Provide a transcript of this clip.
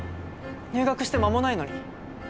入学して間もないのに。